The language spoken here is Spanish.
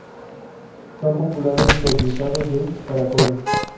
Son populares los "guisados de caracoles".